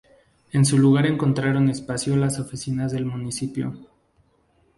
En su lugar encontraron espacio las oficinas del Municipio.